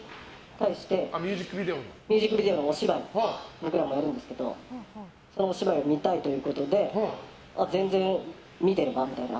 ミュージックビデオのお芝居を僕らもやるんですけどそのお芝居を見たいということで全然、見てればみたいな。